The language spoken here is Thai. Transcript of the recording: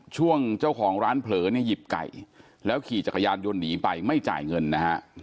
ช่วงเจ้าของร้านเผลอเนี่ยหยิบไก่แล้วขี่จักรยานยนต์หนีไปไม่จ่ายเงินนะฮะ